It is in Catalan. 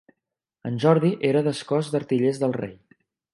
En Jordi era des cos d'artillers del rei.